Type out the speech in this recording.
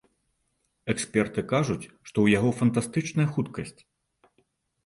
Эксперты кажуць, што ў яго фантастычная хуткасць.